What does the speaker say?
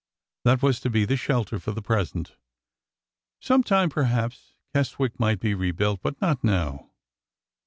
That was to be the shelter for the present. Sometime, perhaps, Keswick might be re built, but not now.